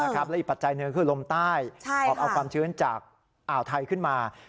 และอีกปัจจัยหนึ่งคือลมใต้หอบเอาความชื้นจากอ่าวไทยขึ้นมา